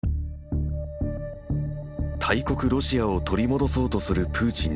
大国ロシアを取り戻そうとするプーチン大統領。